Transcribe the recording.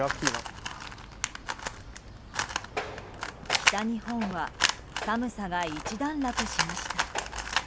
北日本は寒さが一段落しました。